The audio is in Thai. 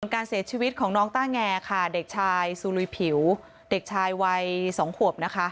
การเสียชีวิตของน้องต้าแงค่ะเด็กชายซูลุยผิวเด็กชายวัย๒ขวบนะคะ